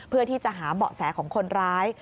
เพื่อที่จะหาเบาะแสของคนร้าย